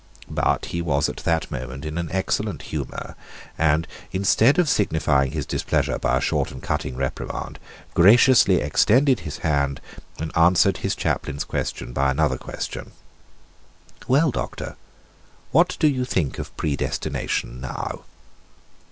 But he was at that moment in an excellent humour, and, instead of signifying his displeasure by a short and cutting reprimand, graciously extended his hand, and answered his chaplain's question by another question: "Well, Doctor, what do you think of predestination now?"